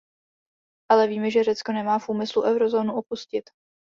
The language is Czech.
Ale víme, že Řecko nemá v úmyslu eurozónu opustit.